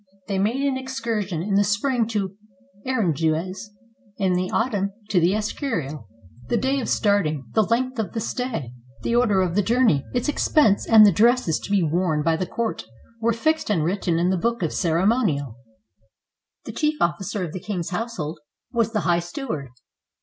They made an excursion in the spring to Aranjuez, and in the autumn to the Escurial. The day of starting, the length of the stay, the order of the journey, its expense, and the dresses to be worn by the court, were fixed and written in the Book of Ceremonial. The chief officer of the king's household was the High Steward.